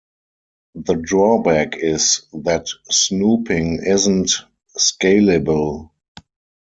The drawback is that snooping isn't scalable.